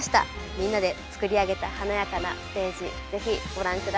みんなで作り上げた華やかなステージ是非ご覧下さい。